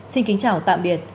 xin kính chào tạm biệt